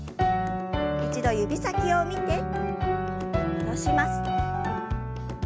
一度指先を見て戻します。